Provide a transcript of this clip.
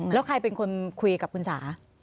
แล้วใครเป็นคนคุยกับคุณสา